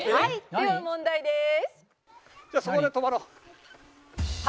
では問題です」